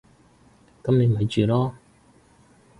噉你咪住囉